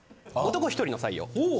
男１人の採用。